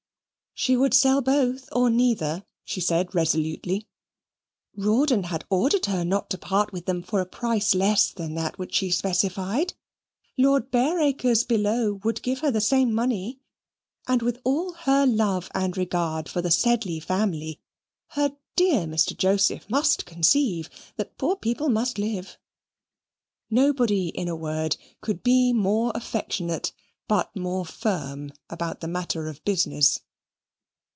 "She would sell both or neither," she said, resolutely. Rawdon had ordered her not to part with them for a price less than that which she specified. Lord Bareacres below would give her the same money and with all her love and regard for the Sedley family, her dear Mr. Joseph must conceive that poor people must live nobody, in a word, could be more affectionate, but more firm about the matter of business.